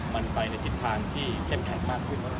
มันไปในทิศทางที่เข้มแข็งมากขึ้น